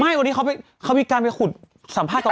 ไม่วันนี้เขาบอกแน่เขามีการไปขุดสถามทรวจสัมภาพก่อน